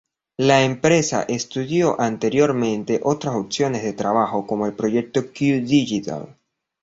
La empresa estudió anteriormente otras opciones de trabajo, como el proyecto "Q Digital".